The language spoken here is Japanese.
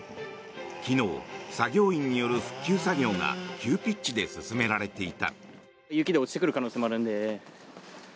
昨日、作業員による復旧作業が急ピッチで進められていた。